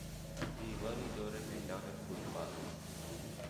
دیواری دور میدان فوتبال